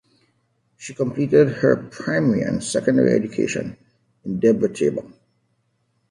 She completed her primary and secondary education in Debre Tabor.